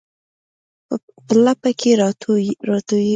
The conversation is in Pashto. په لپه کې راټوي